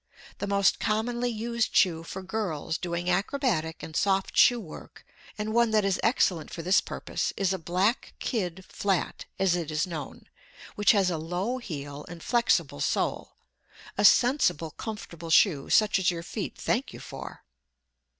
The most commonly used shoe for girls doing acrobatic and soft shoe work and one that is excellent for this purpose, is a black kid flat, as it is known, which has a low heel and flexible sole; a sensible, comfortable shoe, such as your feet thank you for.